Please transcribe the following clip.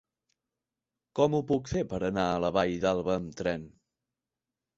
Com ho puc fer per anar a la Vall d'Alba amb tren?